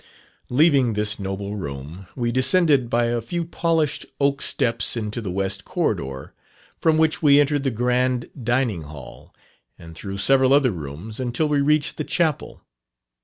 Leaving this noble room, we descended by a few polished oak steps into the West Corridor, from which we entered the grand Dining Hall, and through several other rooms, until we reached the Chapel.